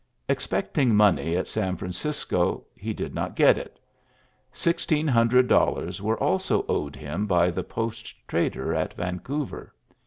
'^ Expecting money at | Francisco, he did not get it. BixU hundred dollars were also owed him the post trader at Vancouver.